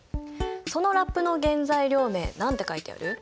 そのラップの原材料名何て書いてある？